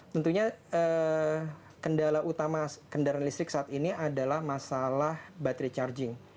tentunya kendala utama kendaraan listrik saat ini adalah masalah baterai charging